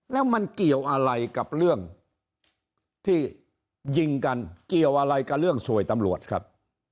แล้วมันเกี่ยวอะไรกับเรื่องที่ยิงกันเกี่ยวอะไรกับเรื่องสวยตำรวจครับ